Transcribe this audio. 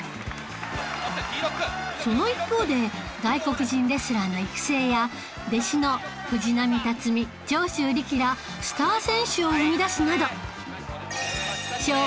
その一方で外国人レスラーの育成や弟子の藤波辰爾長州力らスター選手を生み出すなど